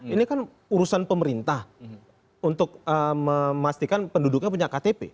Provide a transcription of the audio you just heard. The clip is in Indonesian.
ini kan urusan pemerintah untuk memastikan penduduknya punya ktp